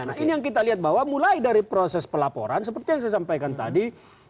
nah ini yang kita lihat bahwa mulai dari proses pelaporan seperti yang saya sampaikan tadi